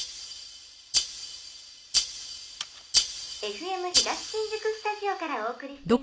「ＦＭ東新宿スタジオからお送りしています